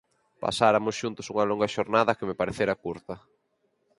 Pasaramos xuntos unha longa xornada que me parecera curta.